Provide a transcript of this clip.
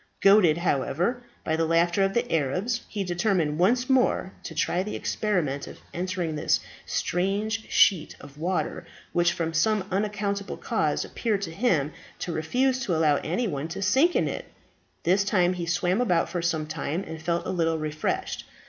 Goaded, however, by the laughter of the Arabs, he determined once more to try the experiment of entering this strange sheet of water, which from some unaccountable cause appeared to him to refuse to allow anybody to sink in it. This time he swam about for some time, and felt a little refreshed.